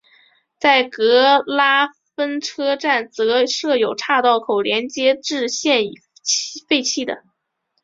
在格拉芬车站则设有岔道连接至现已废弃的。